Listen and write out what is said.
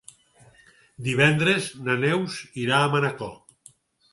Divendres na Neus irà a Manacor.